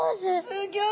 すギョい！